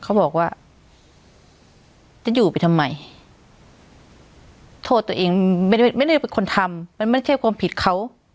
เขาบอกว่าจะอยู่ไปทำไมโทษตัวเองไม่ได้ไม่ได้เป็นคนทำมันไม่ใช่ความผิดเขา